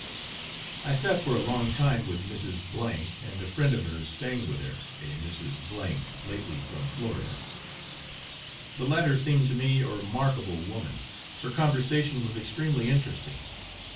I sat for a long time with Mrs. A , and a friend of hers staying with her, a Mrs. A , lately from Florida. The latter seemed to me a remarkable woman; her conversation was extremely interesting.